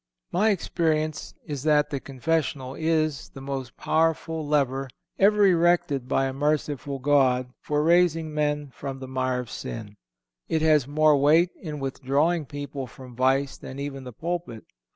My experience is that the confessional is the most powerful lever ever erected by a merciful God for raising men from the mire of sin. It has more weight in withdrawing people from vice than even the pulpit.